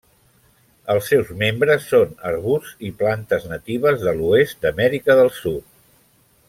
Els seus membres són arbusts i plantes natives de l'oest d'Amèrica del Sud.